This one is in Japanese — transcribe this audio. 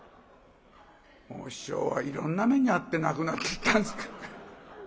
師匠はいろんな目に遭って亡くなっていったんです。